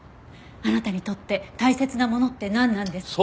あなたにとって大切なものってなんなんですか？